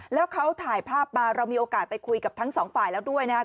แล้วเขาถ่ายภาพมาเรามีโอกาสไปคุยกับทั้งสองฝ่ายแล้วด้วยนะครับ